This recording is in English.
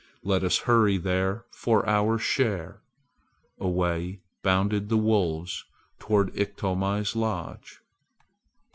Let us hurry there for our share!" Away bounded the wolves toward Iktomi's lodge.